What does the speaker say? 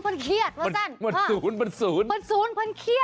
เปิดไก่ทางกรรมะใดใช่ไหม